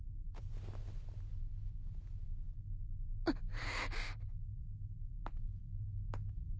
あっ！